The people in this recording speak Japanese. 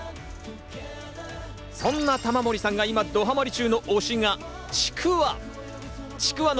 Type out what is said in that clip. そんな玉森さんが今、どハマり中の推しがちくわ。